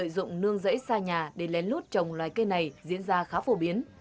lợi dụng nương rễ xa nhà để lén lút trồng loài cây này diễn ra khá phổ biến